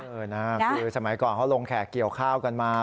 เออนะคือสมัยก่อนเขาลงแขกเกี่ยวข้าวกันมา